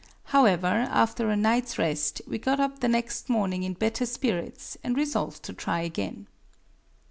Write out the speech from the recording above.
However, after a night's rest, we got up the next morning in better spirits and resolved to try again.